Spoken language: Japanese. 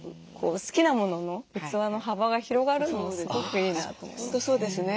好きなものの器の幅が広がるのもすごくいいなと思いますね。